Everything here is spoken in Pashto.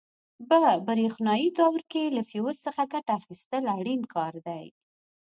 په برېښنایي دورو کې له فیوز څخه ګټه اخیستل اړین کار دی.